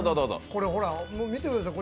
これほら、みてください